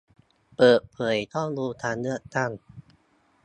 เปิดเผยข้อมูลการเลือกตั้ง